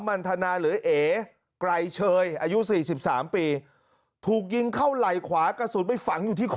มันทนาหรือเอไกรเชยอายุ๔๓ปีถูกยิงเข้าไหล่ขวากระสุนไปฝังอยู่ที่คอ